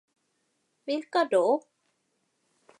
Vilka då?